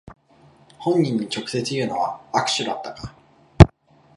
本人に直接言うのは悪手だったか